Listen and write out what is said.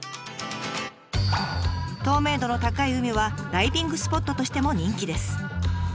透明度の高い海はダイビングスポットとしても人気です。